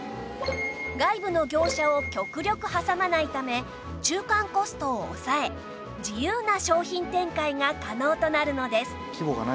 外部の業者を極力挟まないため中間コストを抑え自由な商品展開が可能となるのです